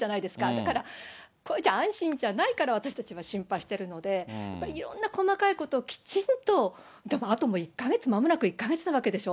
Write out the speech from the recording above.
だから、これじゃ安心じゃないから、私たちは心配してるので、やっぱりいろんな細かいことをきっちりと、あともう１か月、まもなく１か月なわけでしょ。